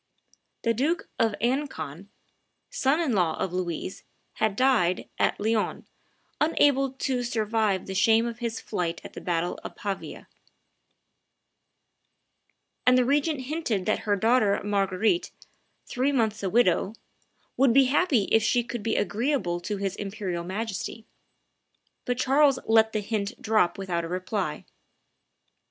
The Duke of Alencon, son in law of Louise, had died at Lyons, unable to survive the shame of his flight at the battle of Pavia; and the regent hinted that her daughter Marguerite, three months a widow, "would be happy if she could be agreeable to his Imperial Majesty," but Charles let the hint drop without a reply.